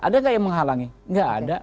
ada nggak yang menghalangi nggak ada